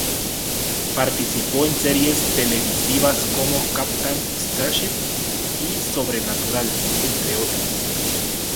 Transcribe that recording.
Participó en series televisivas como: "Captain Starship" y "Sobrenatural" entre otras.